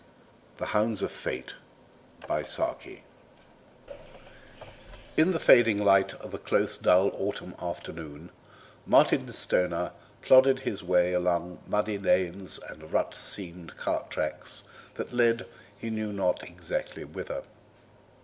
THE HOUNDS OF FATE In the fading light of a close dull autumn afternoon Martin Stoner plodded his way along muddy lanes and rut seamed cart tracks that led he knew not exactly whither.